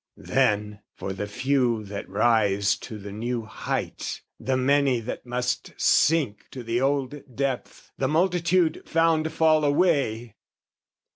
Then, for the few that rise to the new height, The many that must sink to the old depth, The multitude found fall away!